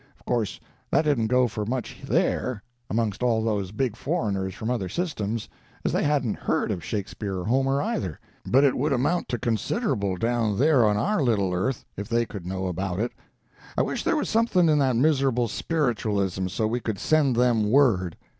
Of course that didn't go for much there, amongst all those big foreigners from other systems, as they hadn't heard of Shakespeare or Homer either, but it would amount to considerable down there on our little earth if they could know about it. I wish there was something in that miserable spiritualism, so we could send them word.